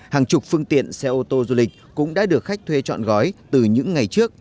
hàng chục phương tiện xe ô tô du lịch cũng đã được khách thuê trọn gói từ những ngày trước